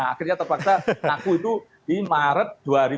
akhirnya terpaksa aku itu di maret dua ribu dua puluh dua